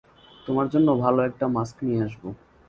তোমার জন্য ভালো একটা মাস্ক নিয়ে আসবো।